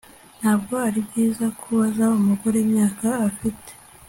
Ntabwo ari byiza kubaza umugore imyaka afite